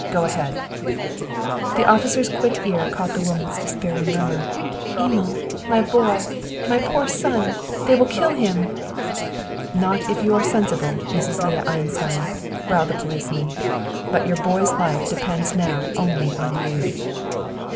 Go ahead!" The officer's quick ear caught the woman's despairing murmur, "Emil! My boy, my poor son! They will kill him!" "Not if you are sensible, Mrs. Leah Einstein," growled the policeman. "But your boy's life depends now only on you."